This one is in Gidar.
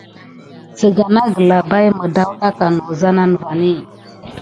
Kisdà naŋ glabayà muwɗakanigən wuza vani.